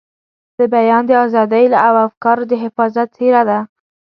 د بیان د ازادۍ او افکارو د حفاظت څېره ده.